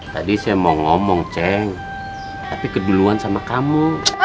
tadi saya mau ngomong ceng tapi keduluan sama kamu